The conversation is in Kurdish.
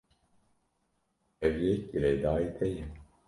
Ev yek girêdayî te ye.